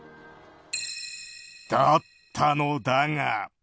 だったのだが。